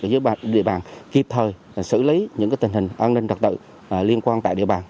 dưới địa bàn kịp thời xử lý những tình hình an ninh trật tự liên quan tại địa bàn